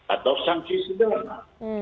atau sanksi sederhana